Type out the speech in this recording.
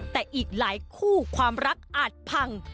แต่อีกหลายคู่ความรักอาจพัง